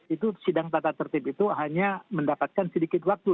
itu sidang tata tertib itu hanya mendapatkan sedikit waktu